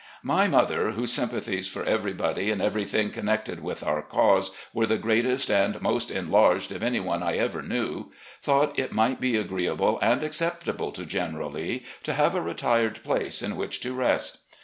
"My mother, whose sympathies for everybody and everything connected with our cause were the greatest and most enlarged of any one I ever knew, thought it might be agreeable and acceptable to General Lee to have a retired place in which to rest.